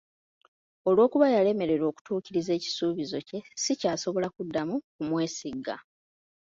Olw'okuba yalemererwa okutuukiriza ekisuubizo kye, sikyasobola kuddamu kumwesiga.